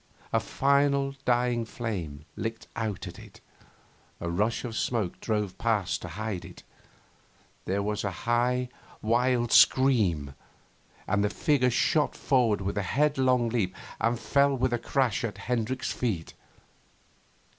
A final dying flame licked out at it; a rush of smoke drove past to hide it; there was a high, wild scream and the figure shot forward with a headlong leap and fell with a crash at Hendricks' feet.